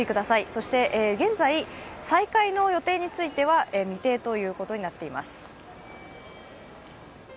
そして現在、再開の予定については未定ということになっています。